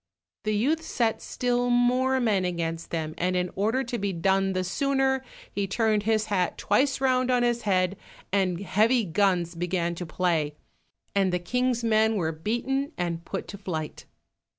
The youth set still more men against them, and in order to be done the sooner, he turned his hat twice round on his head, and heavy guns began to play, and the king's men were beaten and put to flight.